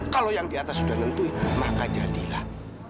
kalau yang di atas sudah nentuin maka jadilah